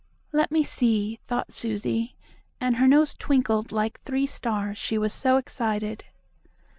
"Let me see," thought Susie, and her nose twinkled like three stars, she was so excited.